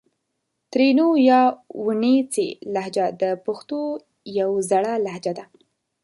ترینو یا وڼېڅي لهجه د پښتو یو زړه لهجه ده